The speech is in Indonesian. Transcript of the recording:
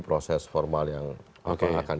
proses formal yang akan